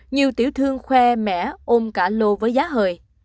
nhiều tiểu thương khoe mẽ ôm cả lô với giá hời